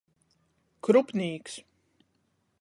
Krupnīks.